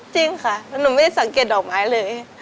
จริงค่ะแล้วหนูไม่ได้สังเกตดอกไม้เลย